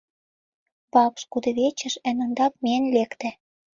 Вакш кудывечыш эн ондак миен лекте.